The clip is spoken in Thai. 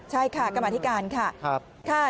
ใช่ค่ะกรรมธิการค่ะ